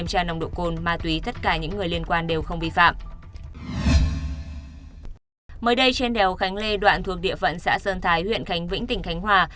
mới đây trên đèo khánh lê đoạn thuộc địa phận xã sơn thái huyện khánh vĩnh tỉnh khánh hòa